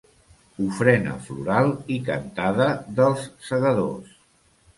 Ofrena floral i cantada dels segadors.